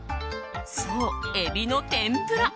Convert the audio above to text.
そう、エビの天ぷら。